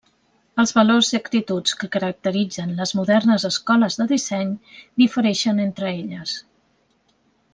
Els valors i actituds que caracteritzen les modernes escoles de disseny difereixen entre elles.